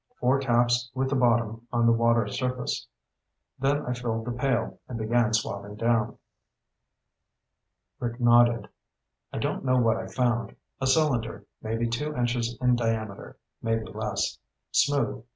Four taps with the bottom on the water surface. Then I filled the pail and began swabbing down." Rick nodded. "I don't know what I found. A cylinder, maybe two inches in diameter, maybe less. Smooth.